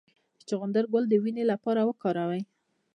د چغندر ګل د وینې لپاره وکاروئ